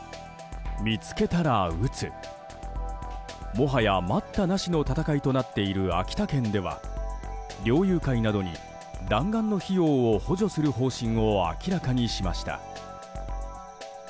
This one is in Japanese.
もはや待ったなしの戦いとなっている秋田県では猟友会などに弾丸の費用を補助する方針を明らかにしました。